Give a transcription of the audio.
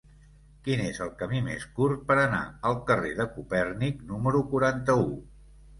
Quin és el camí més curt per anar al carrer de Copèrnic número quaranta-u?